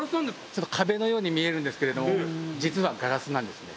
ちょっと壁のように見えるんですけれども実はガラスなんですね